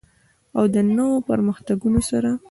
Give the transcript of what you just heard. او د نویو پرمختګونو سره.